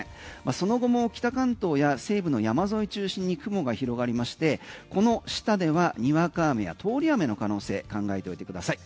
その後も北関東や西部の山沿い中心に雲が広がりましてこの下ではにわか雨や通り雨の可能性考えておいてください。